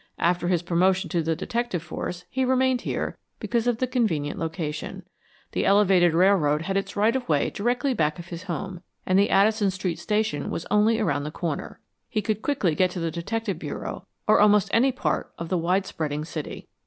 After his promotion to the detective force, he remained here because of the convenient location. The elevated railroad had its right of way directly back of his home, and the Addison Street station was only around the corner. He could quickly get to the Detective Bureau or almost any part of the widespreading city.